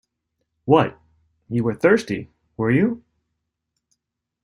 What, you were thirsty, were you?